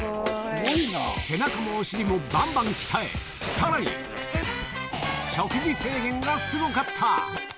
背中もお尻もばんばん鍛え、さらに、食事制限がすごかった。